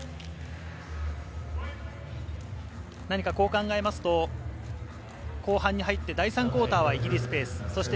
何か考えますと、後半に入って第３クオーターはイギリスペース。